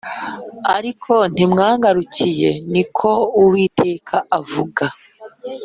ariko ntimwangarukiye Ni ko Uwiteka avuga